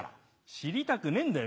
知りたくねえんだよ